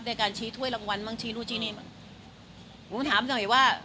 ในการชี้ถ้วยรางวัลมังชี้นู่นชี้นี่ผมถามกันใหม่ว่า